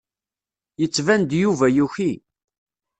Yettban-d Yuba yuki.